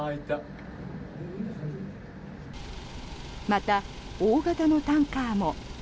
また、大型のタンカーも。